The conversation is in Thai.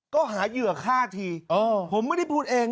ก็หาเหยื่อฆ่าทีผมไม่ได้พูดเอง